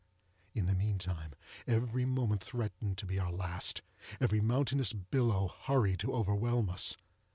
In the meantime every moment threatened to be our last—every mountainous billow hurried to overwhelm us.